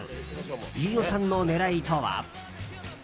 飯尾さんの狙いとは？